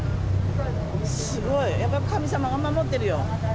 すごい、やっぱり神様が守ってるよ。